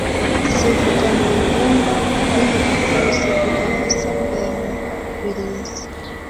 Zivuga mu Rubumba rw' inyamboZivuga Masaka ya Mibirizi